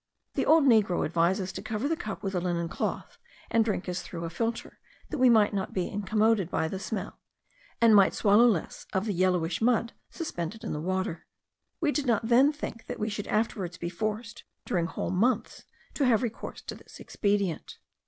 The old negro advised us to cover the cup with a linen cloth, and drink as through a filter, that we might not be incommoded by the smell, and might swallow less of the yellowish mud suspended in the water. We did not then think that we should afterwards be forced, during whole months, to have recourse to this expedient.